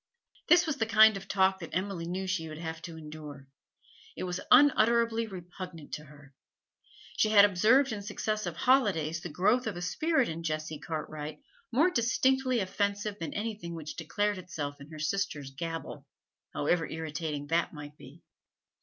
This was the kind of talk that Emily knew she would have to endure; it was unutterably repugnant to her. She had observed in successive holidays the growth of a spirit in Jessie Cartwright more distinctly offensive than anything which declared itself in her sisters' gabble, however irritating that might be.